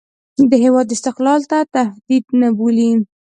د هېواد استقلال ته تهدید نه بولي.